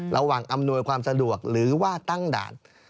อำนวยความสะดวกหรือว่าตั้งด่าน